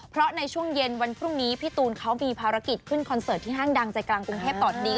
เพราะในช่วงเย็นวันพรุ่งนี้พี่ตูนเขามีภารกิจขึ้นคอนเสิร์ตที่ห้างดังใจกลางกรุงเทพตอนนี้